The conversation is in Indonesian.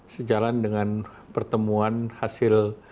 sejalan dengan pertemuan hasil